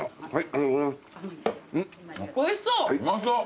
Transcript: はい。